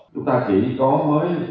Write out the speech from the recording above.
chúng ta chỉ có mới